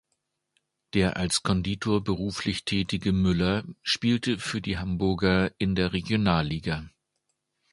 Der als Konditor beruflich tätige Müller spielte für die Hamburger in der Regionalliga.